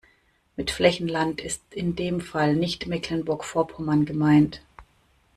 Mit Flächenland ist in dem Fall nicht Mecklenburg-Vorpommern gemeint.